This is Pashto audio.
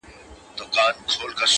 په کهاله کي د مارانو شور ماشور سي!!